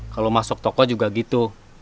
kalau masuk toko juga gitu